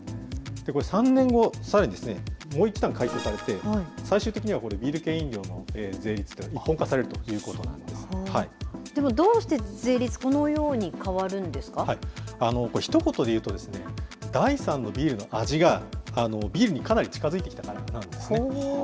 これ、３年後、さらにですね、もう一段改正されて、最終的にはこれ、ビール系飲料の税率が一本化でも、どうして税率、このよひと言で言うとですね、第３のビールの味が、ビールにかなり近づいてきたからなんですね。